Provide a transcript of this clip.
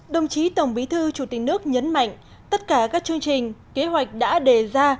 đồng chí tổng bí thư chủ tịch nước nhấn mạnh tất cả các chương trình kế hoạch đã đề ra